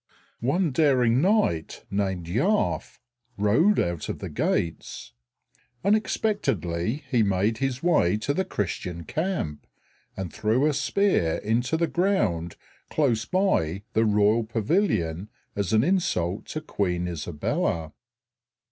One daring knight named Yarfe rode out of the gates; unexpectedly he made his way to the Christian camp, and threw a spear into the ground close by the royal pavilion as an insult to Queen Isabella.